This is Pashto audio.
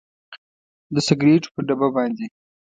د سګریټو پر ډبه باندې